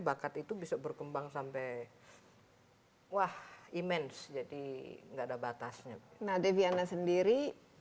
bakat itu bisa berkembang sampai wah imans jadi enggak ada batasnya nah deviana sendiri